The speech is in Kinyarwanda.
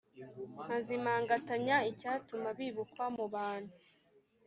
nkazimangatanya icyatuma bibukwa mu bantu.